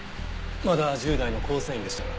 まだ１０代の構成員でしたが。